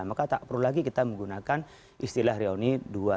maka tak perlu lagi kita menggunakan istilah reuni dua ratus dua